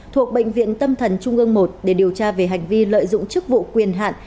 thuộc bệnh viện tâm thần trung ương một để điều tra về hành vi lợi dụng chức vụ quyền hạn